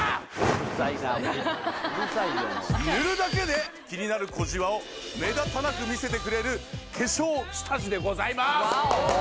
うるさいなうるさいよもう塗るだけで気になる小じわを目立たなく見せてくれる化粧下地でございます